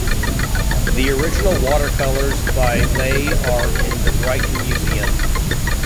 The original watercolours by Lay are in the Brighton Museum.